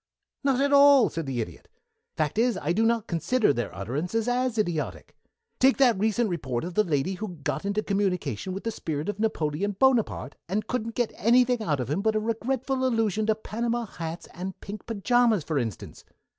"Not at all," said the Idiot. "Fact is, I do not consider their utterances as idiotic. Take that recent report of the lady who got into communication with the spirit of Napoleon Bonaparte, and couldn't get anything out of him but a regretful allusion to Panama hats and pink pajamas, for instance.